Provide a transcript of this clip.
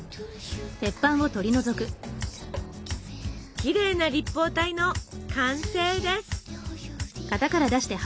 きれいな立方体の完成です。